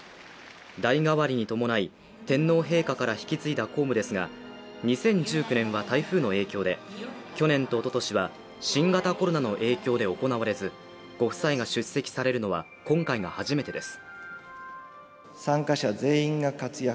代替わりに伴い天皇陛下から引き継いだ公務ですが２０１９年は台風の影響で、去年とおととしは新型コロナの影響で行われず、ご夫妻が出席されるのは今回が初めてです。